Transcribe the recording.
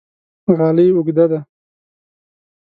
غالۍ اوږده ده